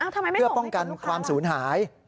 เพื่อป้องกันความสูญหาย